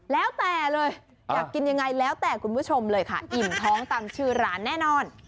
แล้วแต่เลยอยากกินยังไงแล้วแต่คุณผู้ชมเลยค่ะอิ่มท้องตามชื่อร้านแน่นอน